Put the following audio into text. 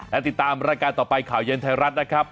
และติดตามรายการต่อไปข่าวเย็นไทยรัฐนะครับ